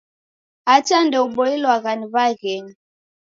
Hata ndeuboilwagha ni w'aghenyu!